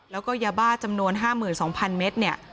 แล้วก็ยาบ้าจำนวนห้าหมื่นสองพันเม็ดเนี่ย